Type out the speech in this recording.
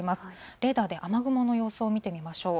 レーダーで雨雲の様子を見てみましょう。